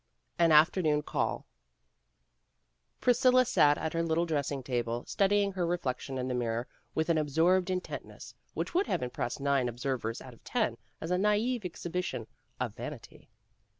'' AN AFTERNOON CALL, PRISCILLA sat at her little dressing table, studying her reflection in the mirror with an absorbed intentness which would have im pressed nine observers out of ten as a nai've ex hibition of vanity.